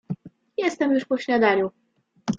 "Jestem już po śniadaniu."